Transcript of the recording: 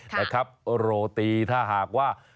นะครับโรตีถ้าหากว่า